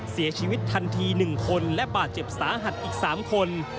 เสียชีวิตทันที๑คนและบาดเจ็บสาหัสอีก๓คน